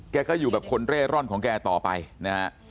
แกก็อยู่แบบคนเร่ร่อนของแกต่อไปนะฮะ